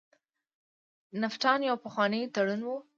نفټا یو پخوانی تړون و.